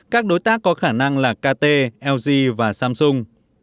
các đối tác có khả năng là kt lg và samsung